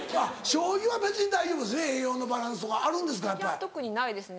いや特にないですね。